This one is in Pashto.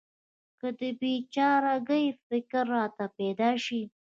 که د بې چاره ګۍ فکر راته پیدا شي.